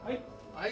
はい。